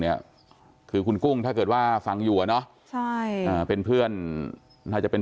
เนี่ยคือคุณกุ้งถ้าเกิดว่าฟังอยู่อ่ะเนอะใช่อ่าเป็นเพื่อนน่าจะเป็น